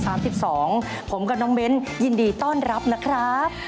สวัสดีค่ะ